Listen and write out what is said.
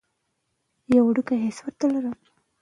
پښتو زموږ د زړونو ژبه ده.